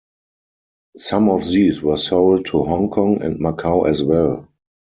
Some of these were sold to Hong Kong and Macau as well.